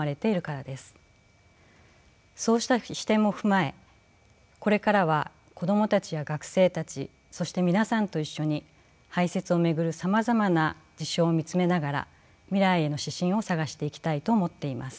そうした視点を踏まえこれからは子供たちや学生たちそして皆さんと一緒に排泄を巡るさまざまな事象を見つめながら未来への指針を探していきたいと思っています。